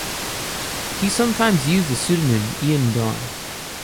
He sometimes used the pseudonym Ian Don.